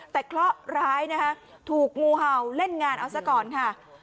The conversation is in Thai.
แต่เคราะห์ร้ายนะคะถูกงูเห่าเล่นงานเอาซะก่อนค่ะ